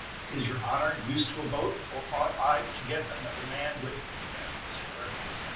"Is your honor used to a boat, or ought I to get another man with me?" asked the sailor.